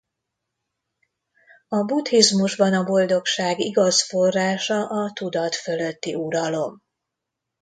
A buddhizmusban a boldogság igaz forrása a tudat fölötti uralom.